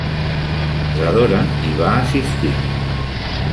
Zadora hi va assistir.